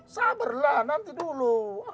sabarlah nanti dulu